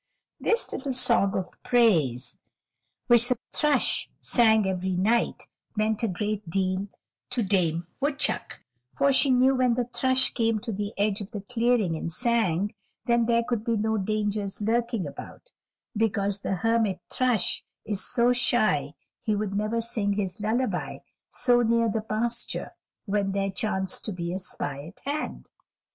This little song of praise which the thrush sang every night meant a great deal to Dame Woodchuck, for she knew when the thrush came to the edge of the clearing and sang, then there could be no dangers lurking about, because the Hermit Thrush is so shy he would never sing his lullaby so near the pasture when there chanced to be a spy at hand.